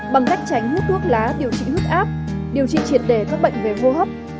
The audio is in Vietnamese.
bằng cách tránh hút thuốc lá điều trị hức áp điều trị triệt đề các bệnh về vô hấp